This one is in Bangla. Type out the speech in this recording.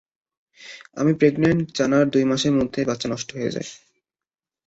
আমি প্রেগন্যান্ট জানার দুই মাসের মধ্যেই বাচ্চা নষ্ট হয়ে যায়।